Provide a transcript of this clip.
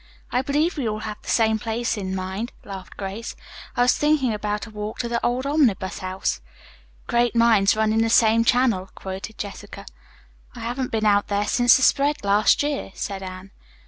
"I believe we all have the same place in mind," laughed Grace. "I was thinking about a walk to the old Omnibus House." "'Great minds run in the same channel,'" quoted Jessica. "I haven't been out there since the spread last year," said Anne.